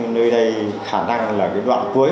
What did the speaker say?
nơi đây khả năng là cái đoạn cuối